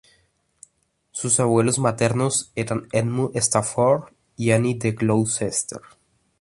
Sus abuelos maternos eran Edmund Stafford y Anne de Gloucester.